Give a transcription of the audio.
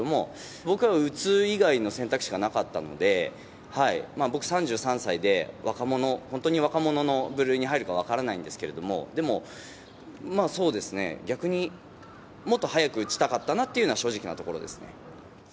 僕は打つ以外の選択肢はなかったので、僕３３歳で、若者、本当に若者の部類に入るか分からないんですけども、でも、そうですね、逆にもっと早く打ちたかったなというのが正直なところですね。